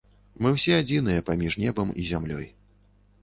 Мы ўсе адзіныя паміж небам і зямлёй.